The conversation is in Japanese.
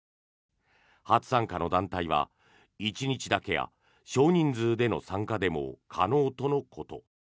初参加の団体は１日だけや少人数での参加でも可能とのこと。